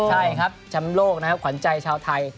ใช่ครับแชมป์โลกนะครับขวัญใจชาวไทย